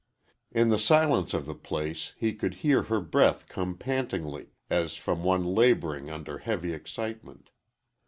In the silence of the place he could hear her breath come pantingly, as from one laboring under heavy excitement.